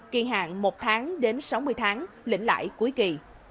kỳ hạn một tháng đến sáu mươi tháng lĩnh lãi cuối kỳ